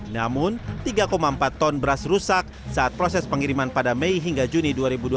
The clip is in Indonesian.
namun tiga empat ton beras rusak saat proses pengiriman pada mei hingga juni dua ribu dua puluh